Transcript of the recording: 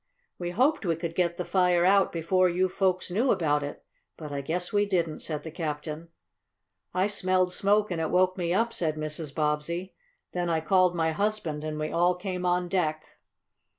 We hoped we could get the fire out before you folks knew about it. But I guess we didn't," said the captain. "I smelled smoke, and it woke me up," said Mrs. Bobbsey. "Then I called my husband and we all came on deck."